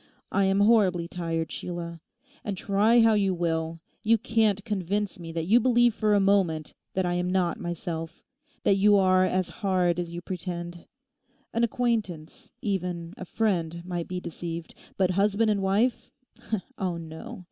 'I am horribly tired, Sheila. And try how you will, you can't convince me that you believe for a moment that I am not myself, that you are as hard as you pretend. An acquaintance, even a friend might be deceived; but husband and wife—oh no!